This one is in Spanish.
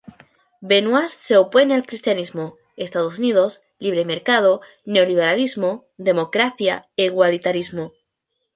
Benoist se opone al cristianismo, Estados Unidos, libre mercado, neoliberalismo, democracia e igualitarismo.